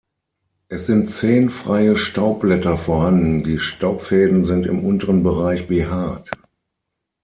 Es sind zehn freie Staubblätter vorhanden; die Staubfäden sind im unteren Bereich behaart.